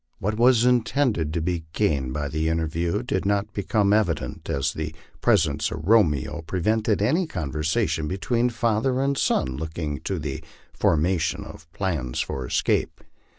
What was intended to be gained by the interview did not become evident, as the presence of Romeo pre vented any conversation between father and son looking to the formation of plans for escape.